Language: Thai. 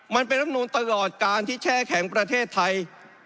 มันเป็นรำนูนตลอดการที่แช่แข็งประเทศไทย